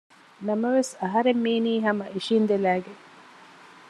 ނަމަވެސް އަހަރެން މީނީ ހަމަ އިށިއިނދެލައިގެން